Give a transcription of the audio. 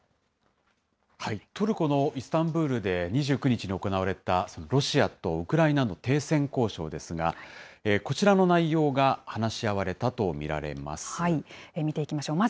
トルコのイスタンブールで２９日に行われたロシアとウクライナの停戦交渉ですが、こちらの内容が話し合われたと見られます。